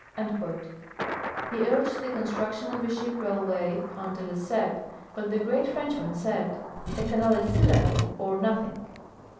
I le urged the construction of a ship raihvay on De Lesseps, but the great Frenchman said, "A canal at sea level or nothing."